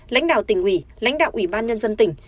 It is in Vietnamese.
lãnh đạo tỉnh ủy lãnh đạo ủy ban nhân dân tỉnh